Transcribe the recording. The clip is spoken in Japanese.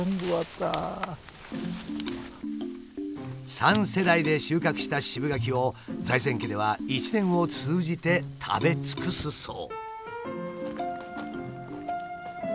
３世代で収穫した渋柿を財前家では一年を通じて食べ尽くすそう。